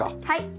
はい。